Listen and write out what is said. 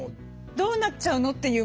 「どうなっちゃうの？」っていう